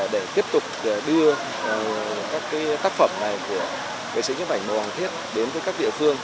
để tiếp tục đưa các tác phẩm này của nghệ sĩ nhất bảnh bảo hoàng thiết đến các địa phương